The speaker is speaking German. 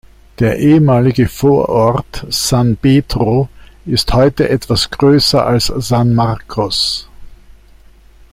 Der ehemalige Vorort San Pedro ist heute etwas größer als San Marcos.